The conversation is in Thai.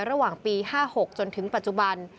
ระหว่างปี๕๖จนถึงปัจจุบัน